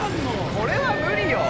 これは無理よ。